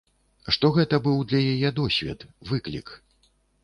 Што гэта быў для яе досвед, выклік.